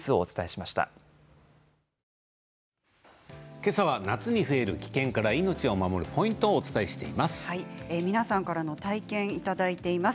けさは夏に増える危険から命を守るポイントを皆さんから体験をいただいています。